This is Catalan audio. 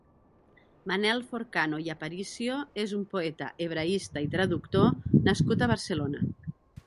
Manel Forcano i Aparicio és un poeta, hebraista i traductor nascut a Barcelona.